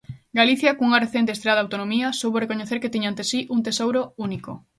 Galicia, cunha recente estreada autonomía, soubo recoñecer que tiña ante si un tesouro único.